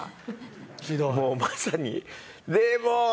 もうまさに。